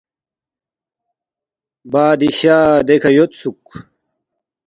بادشاہ دیکھہ یودسُوک